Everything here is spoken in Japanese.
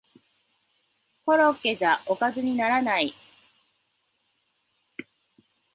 コロッケじゃおかずにならない